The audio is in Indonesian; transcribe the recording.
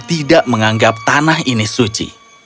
tidak menganggap tanah ini suci